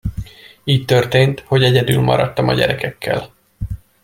Így történt, hogy egyedül maradtam a gyerekekkel.